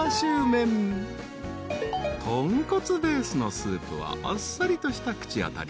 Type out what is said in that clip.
［豚骨ベースのスープはあっさりとした口当たり］